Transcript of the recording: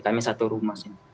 kami satu rumah